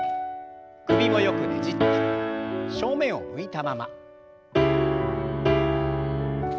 首もよくねじって正面を向いたまま。